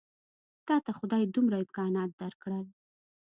تاته خدای دومره امکانات درکړل.